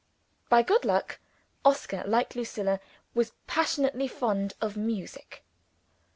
By good luck, Oscar, like Lucilla, was passionately fond of music.